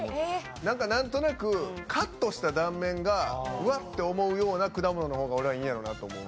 なんかなんとなくカットした断面がうわって思うような果物の方が俺はいいんやろなと思う。